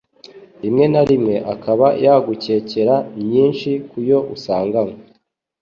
rimwe na rimwe akaba yagukekera myinshi kuyo usangankwe